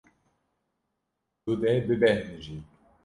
Tu dê bibêhnijî.